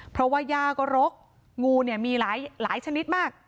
เพราะว่าย่าก็รกงูเนี่ยมีหลายชนิดมาก